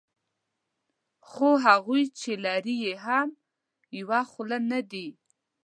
خو هغوی چې لري یې هم یوه خوله نه دي.